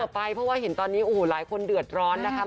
ไปเพราะว่าเห็นตอนนี้โอ้โหหลายคนเดือดร้อนนะคะ